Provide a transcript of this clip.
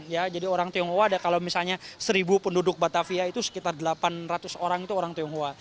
ya jadi orang tionghoa ada kalau misalnya seribu penduduk batavia itu sekitar delapan ratus orang itu orang tionghoa